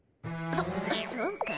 そそうか？